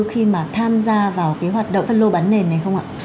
khi mà tham gia vào cái hoạt động phân lô bán nền này không ạ